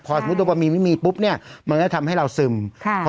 พอสมมุติว่าบะหมีไม่มีปุ๊บเนี่ยมันก็ทำให้เราซึมค่ะ